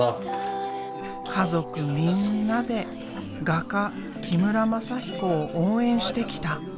家族みんなで画家木村全彦を応援してきた。